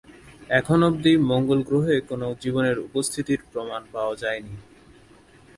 এখন অব্দি মঙ্গল গ্রহে কোন জীবনের উপস্থিতির প্রমাণ পাওয়া যায়নি।